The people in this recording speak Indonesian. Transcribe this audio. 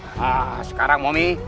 nah sekarang momi